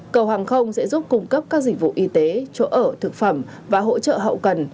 cầu hàng không sẽ giúp cung cấp các dịch vụ y tế chỗ ở thực phẩm và hỗ trợ hậu cần